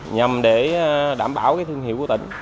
nhằm để đảm bảo thương hiệu của tỉnh